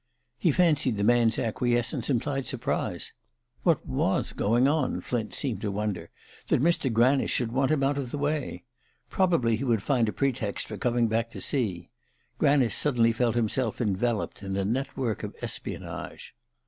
He fancied the man's acquiescence implied surprise. What was going on, Flint seemed to wonder, that Mr. Granice should want him out of the way? Probably he would find a pretext for coming back to see. Granice suddenly felt himself enveloped in a network of espionage.